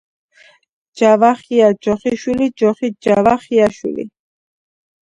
ჯავახია ჯოხიშვილი ჯოხი ჯავახიაშვილი.